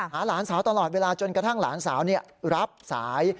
หลานสาวตลอดเวลาจนกระทั่งหลานสาวรับสาย